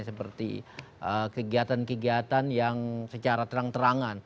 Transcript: seperti kegiatan kegiatan yang secara terang terangan